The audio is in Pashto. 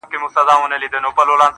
• زما سجده دي ستا د هيلو د جنت مخته وي.